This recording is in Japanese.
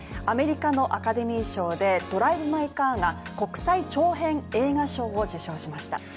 アメリカのアカデミー賞で「ドライブ・マイ・カー」が国際長編映画賞を受賞しました。